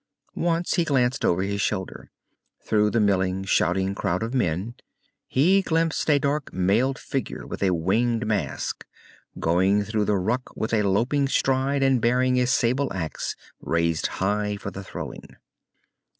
Once he glanced over his shoulder. Through the milling, shouting crowd of men he glimpsed a dark, mailed figure with a winged mask, going through the ruck with a loping stride and bearing a sable axe raised high for the throwing.